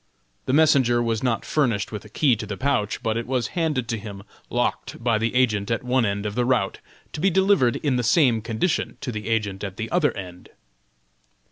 The messenger was not furnished with a key to the pouch, but it was handed to him locked by the agent at one end of the route to be delivered in the same condition to the agent at the other end.